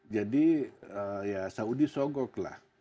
jadi ya saudi sogoklah